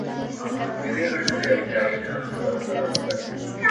o سترگو کي باڼه له ياده وباسم،